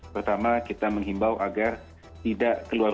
pertama kita menghimbau agar tidak keluar